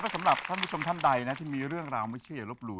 สำหรับท่านผู้ชมท่านใดนะที่มีเรื่องราวไม่เชื่ออย่าลบหลู่